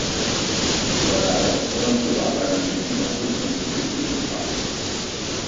De vegades es poden trobar per a enriquir alguns embotits i botifarres.